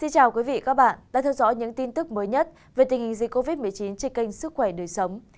chào các bạn đã theo dõi những tin tức mới nhất về tình hình dịch covid một mươi chín trên kênh sức khỏe đời sống